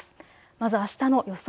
まずあしたの予想